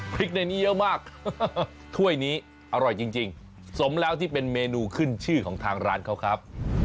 ในนี้เยอะมากถ้วยนี้อร่อยจริงสมแล้วที่เป็นเมนูขึ้นชื่อของทางร้านเขาครับ